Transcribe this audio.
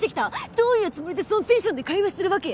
どういうつもりでそのテンションで会話してるわけ？